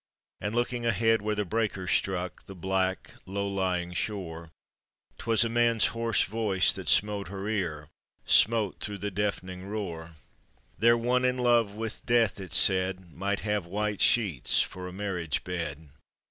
And looking ahead where the breakers struck The black, low lying shore, ' T was a man's hoarse voice that smote her ear — Smote through the deafening roar: "There one in love with death," it said, " Might have white sheets for a marriage bed."